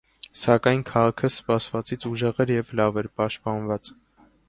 Սակայն քաղաքը սպասվածից ուժեղ էր և լավ էր պաշտպանված։